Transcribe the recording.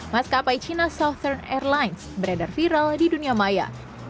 maskapai cina southern airlines beredar viral di dunia maya